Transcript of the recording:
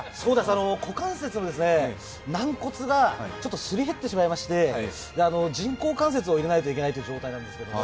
股関節の軟骨がすり減ってしまいまして人工関節を入れないといけない状態なんですけれども。